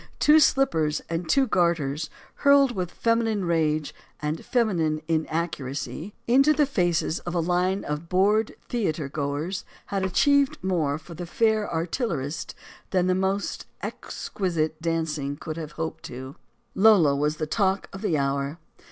Two slippers and two garters, hurled with feminine rage and feminine inaccuracy into the faces of a line of bored theatergoers, had achieved more for the fair artillerist than the most exquisite dancing could have hoped to. 10 STORIES OF THE SUPER WOMEN Lola was the talk of the hour.